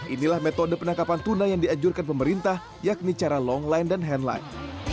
inilah metode penangkapan tuna yang dianjurkan pemerintah yakni cara long line dan hand line